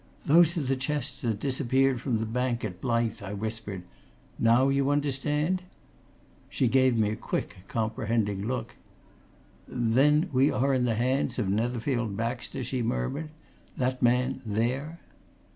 "Those are the chests that disappeared from the bank at Blyth," I whispered. "Now you understand?" She gave me a quick, comprehending look. "Then we are in the hands of Netherfield Baxter?" she murmured. "That man there."